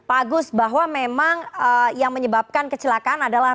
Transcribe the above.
pak agus bahwa memang yang menyebabkan kecelakaan adalah